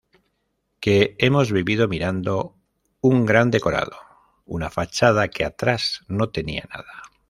Que hemos vivido mirando un gran decorado, una fachada que atrás no tenía nada".